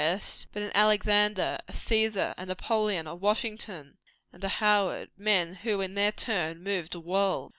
"] but an Alexander, a Cæsar, a Napoleon, a Washington and a Howard men who, in their turn, moved a world!